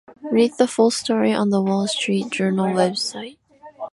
Read the full story on the Wall Street Journal website.